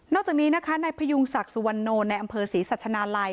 จากนี้นะคะนายพยุงศักดิ์สุวรรณโนในอำเภอศรีสัชนาลัย